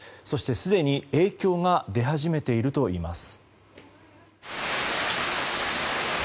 すでに影響が出始めているといいます。